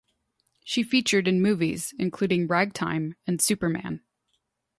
She featured in movies including Ragtime and Superman.